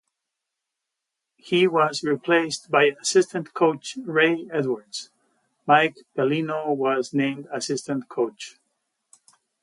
He was replaced by assistant coach Ray Edwards; Mike Pelino was named assistant coach.